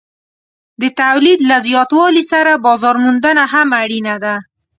د تولید له زیاتوالي سره بازار موندنه هم اړینه ده.